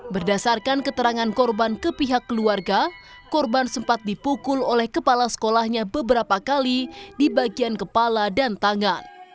berdasarkan keterangan korban ke pihak keluarga korban sempat dipukul oleh kepala sekolahnya beberapa kali di bagian kepala dan tangan